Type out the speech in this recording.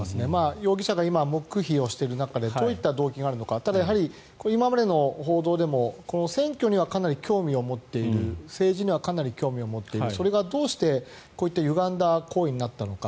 容疑者が今、黙秘している中でどういった動機があるのか今までの報道でも選挙にはかなり興味を持っている政治にかなり興味を持っているそれがどうしてこういったゆがんだ行為になったのか